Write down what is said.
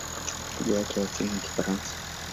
Lugha yake ya asili ni Kifaransa.